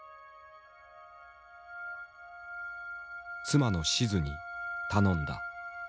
妻の静に頼んだ。